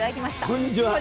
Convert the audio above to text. こんにちは。